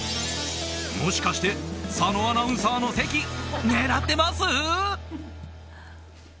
もしかして佐野アナウンサーの席狙ってます？